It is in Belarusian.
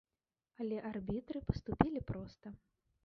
Але арбітры паступілі проста.